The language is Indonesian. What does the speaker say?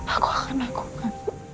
aku akan lakukan